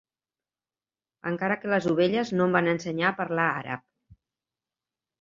Encara que les ovelles no em van ensenyar a parlar àrab.